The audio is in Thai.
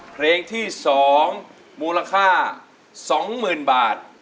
เพลงที่สองมูลค่าสองหมื่นบาท